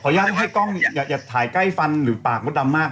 อยากให้กล้องอย่าถ่ายใกล้ฟันหรือปากมดดำมาก